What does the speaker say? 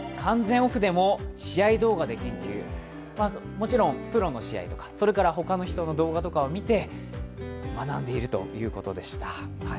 もちろんプロの試合とか他の人の動画とかを見て学んでいるということでした。